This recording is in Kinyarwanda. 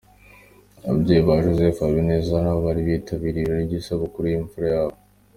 Ababyeyi ba Joseph Habineza nabo bari bitabiriye ibirori by'isabukuru y'imfura yabo.